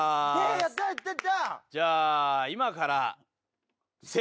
やった！